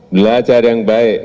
belajar yang baik